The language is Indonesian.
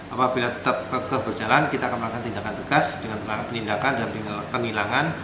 apabila tetap berjalan kita akan melakukan tindakan tegas dengan penindakan dan penilangan